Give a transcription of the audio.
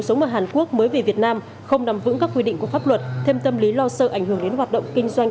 nhận danh tên là hoàng